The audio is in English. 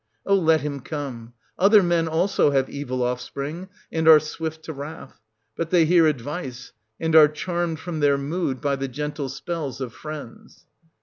Oh, let him come: other men, also, have evil off spring, and are swift to wrath; but they hear advice, and are charmed from their mood by the gentle spells of friends.